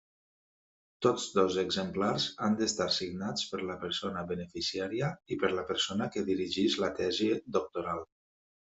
Tots dos exemplars han d'estar signats per la persona beneficiària i per la persona que dirigeix la tesi doctoral.